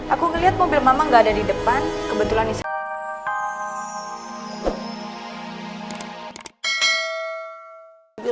aku ngeliat mobil mama gak ada di depan kebetulan isi